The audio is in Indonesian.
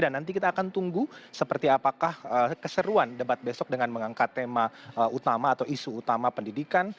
dan nanti kita akan tunggu seperti apakah keseruan debat besok dengan mengangkat tema utama atau isu utama pendidikan